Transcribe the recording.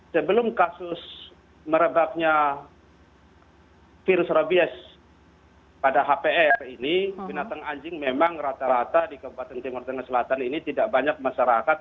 sebelum kasus merebaknya virus rabies pada hpr ini binatang anjing memang rata rata di kabupaten timur tengah selatan ini tidak banyak masyarakat